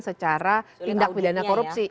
secara tindak pidana korupsi